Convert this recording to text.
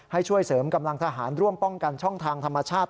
ให้ช่วยเสริมกำลังทหารร่วมป้องกันช่องทางธรรมชาติ